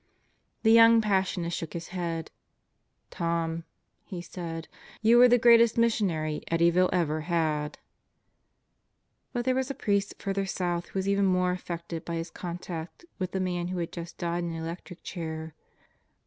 The young Passionist shook his head. "Tom," he said, "y u were the greatest missionary Eddyville ever had!" But there was a priest further south who was even more affected by his contact with the man who had just died in the electric chair.